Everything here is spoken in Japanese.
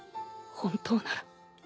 本当なら